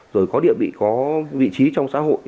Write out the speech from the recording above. rồi có địa vị có vị trí trong xã hội